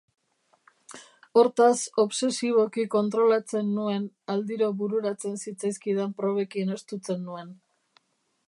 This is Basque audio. Hortaz, obsesiboki kontrolatzen nuen, aldiro bururatzen zitzaizkidan probekin estutzen nuen.